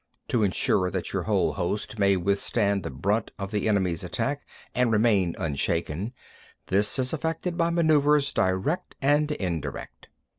3. To ensure that your whole host may withstand the brunt of the enemy's attack and remain unshaken—this is effected by manœuvers direct and indirect.